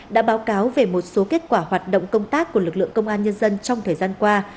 đã báo cáo về một số kết quả hoạt động công tác của lực lượng công an nhân dân trong thời gian qua